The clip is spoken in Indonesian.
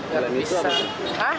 gak lebih sah